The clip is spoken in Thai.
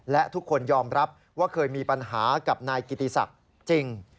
และทุกคนยอมรับว่าเคยมีปัญหากับนายกิติศักดิ์จริง